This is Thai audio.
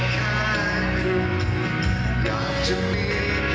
อยากจะมีแค่คุณเพียงคุณเดียว